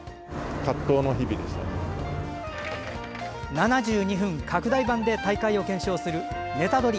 ７２分拡大版で大会を検証する「ネタドリ！」